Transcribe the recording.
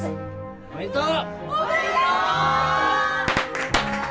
おめでとう！